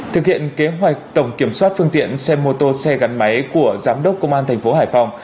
thực hiện kế hoạch tổng kiểm soát phương tiện xe mô tô xe gắn máy của giám đốc công an thành phố hải phòng